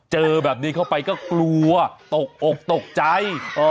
เจอแบบนี้เข้าไปก็กลัวตกอกตกใจ